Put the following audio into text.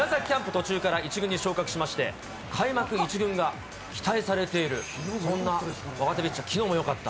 途中から１軍に昇格しまして、開幕１軍が期待されている、そんな若手ピッチャー、きのうもよかった。